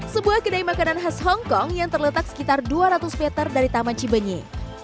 sebuah kedai makanan khas hongkong yang terletak sekitar dua ratus meter dari taman cibenyi